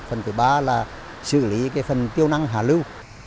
phần thứ ba là xử lý cái phần tiêu năng hạ lưu